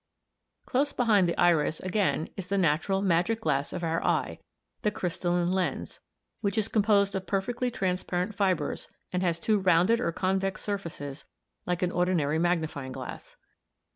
Close behind the iris again is the natural 'magic glass' of our eye, the crystalline lens l, which is composed of perfectly transparent fibres and has two rounded or convex surfaces like an ordinary magnifying glass.